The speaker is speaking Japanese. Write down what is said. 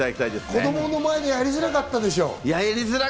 子供の前でやりづらかったでしょ？